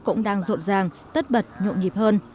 cũng đang rộn ràng tất bật nhộn nhịp hơn